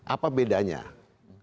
apa bedanya ya